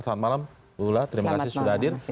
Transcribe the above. selamat malam bu ulla terima kasih sudah hadir